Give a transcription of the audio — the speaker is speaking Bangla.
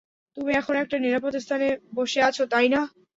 তুমি এখন একটা নিরাপদ স্থানে বসে আছো, তাই না?